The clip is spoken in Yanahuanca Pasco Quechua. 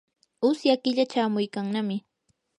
usya killa chamuykannami.